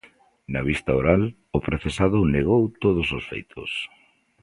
Na vista oral, o procesado negou todos os feitos.